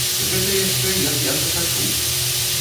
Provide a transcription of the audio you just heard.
Гэта яшчэ, як я захачу!